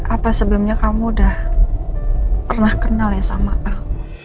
apa sebelumnya kamu udah pernah kenal ya sama aku